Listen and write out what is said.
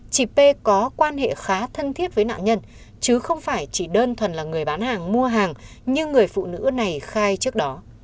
chị p có quan hệ khá thân thiết với nạn nhân chứ không phải chỉ đơn thuần là người bán hàng mua hàng như người phụ nữ này khai trước đó